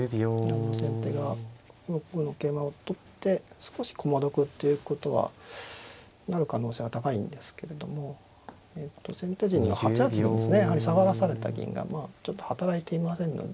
先手が６五の桂馬を取って少し駒得っていうことはなる可能性は高いんですけれども先手陣が８八にですね下がらされた銀がちょっと働いていませんので。